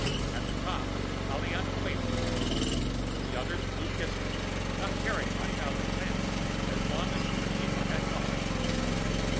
At the top, Aliana waved at me. The others blew kisses, not caring much where they landed, as long as the receiver had muscles.